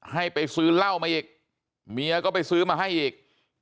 ให้ไปซื้อเหล้ามาอีกเมียก็ไปซื้อมาให้อีก